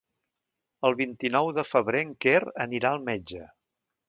El vint-i-nou de febrer en Quer anirà al metge.